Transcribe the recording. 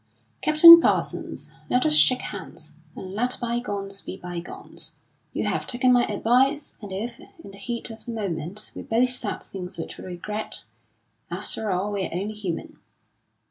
"Captain Parsons, let us shake hands, and let bygones be bygones. You have taken my advice, and if, in the heat of the moment, we both said things which we regret, after all, we're only human."